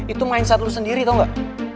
itu mindset lo sendiri tau gak